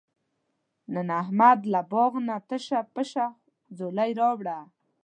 نن احمد له باغ نه تشه پشه ځولۍ راوړله.